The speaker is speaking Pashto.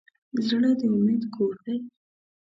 زړه د امید کور دی.